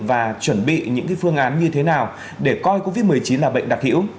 và chuẩn bị những phương án như thế nào để coi covid một mươi chín là bệnh đặc hữu